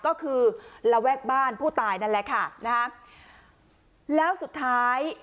ก็คือระแวกบ้านผู้ตายนั่นแหละค่ะนะฮะแล้วสุดท้าย